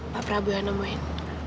pak prabu yang nemuin